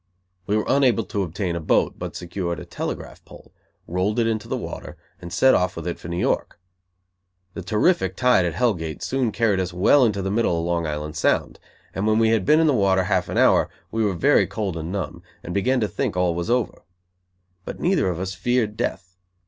We were unable to obtain a boat, but secured a telegraph pole, rolled it into the water, and set off with it for New York. The terrific tide at Hellgate soon carried us well into the middle of Long Island Sound, and when we had been in the water half an hour, we were very cold and numb, and began to think that all was over. But neither of us feared death.